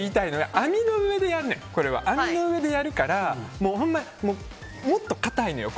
網の上でやるからもっと硬いのよ。